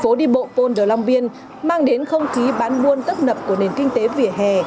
phố đi bộ pond de long biên mang đến không khí bán buôn tất nập của nền kinh tế vỉa hè